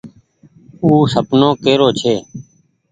او سپنو ڪي رو ڇي۔